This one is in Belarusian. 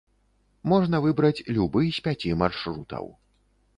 Можна выбраць любы з пяці маршрутаў.